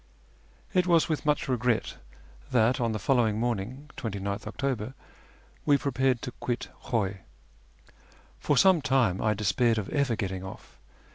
It was with much reoret that on the followino; morniucf (29th October) we prepared to quit Khuy. For some time I despaired of ever getting off.